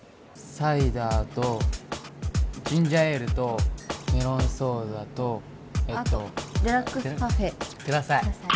サイダーとジンジャーエールとメロンソーダとあとデラックスパフェくださいください